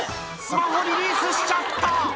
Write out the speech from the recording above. スマホ、リリースしちゃった。